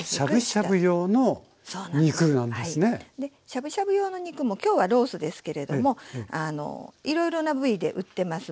しゃぶしゃぶ用の肉も今日はロースですけれどもいろいろな部位で売ってます。